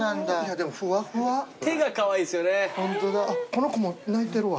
この子も鳴いてるわ。